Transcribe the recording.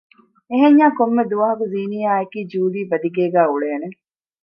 އެހެންޏާ ކޮންމެދުވަހަކު ޒީނިޔާ އެކީ ޖޫލީ ބަދިގޭގައި އުޅޭނެ